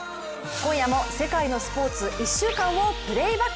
今夜も世界のスポーツ１週間をプレーバック。